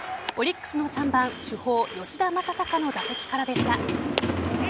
オリックスの３番主砲・吉田正尚の打席からでした。